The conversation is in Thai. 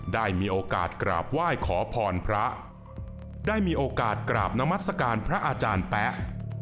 ได้มีโอกาสกราบไหว้ขอพรพระได้มีโอกาสกราบนามัศกาลพระอาจารย์แป๊ะ